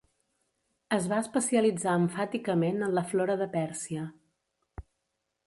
Es va especialitzar emfàticament en la flora de Pèrsia.